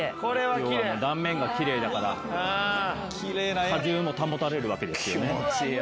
要は断面がきれいだから果汁も保たれるわけですよね。